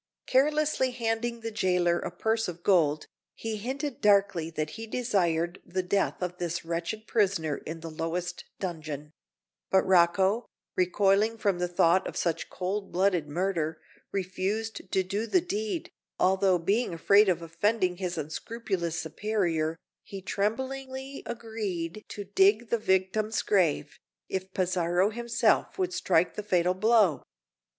Carelessly handing the jailer a purse of gold, he hinted darkly that he desired the death of this wretched prisoner in the lowest dungeon; but Rocco, recoiling from the thought of such cold blooded murder, refused to do the deed, although, being afraid of offending his unscrupulous superior, he tremblingly agreed to dig the victim's grave, if Pizarro himself would strike the fatal blow.